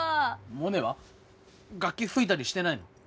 モネは楽器吹いたりしてないの？